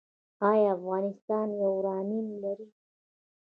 آیا افغانستان یورانیم لري؟